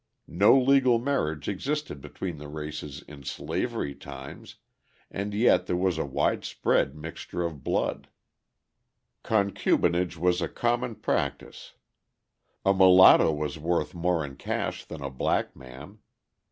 No legal marriage existed between the races in slavery times and yet there was a widespread mixture of blood. Concubinage was a common practice: a mulatto was worth more in cash than a black man.